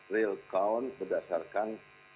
real count berdasarkan